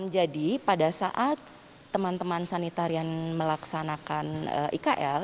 jadi pada saat teman teman sanitar yang melaksanakan ikl